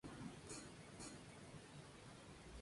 Se les reconoce por su peculiar canto.